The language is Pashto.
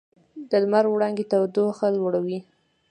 د لمر وړانګې تودوخه لوړوي.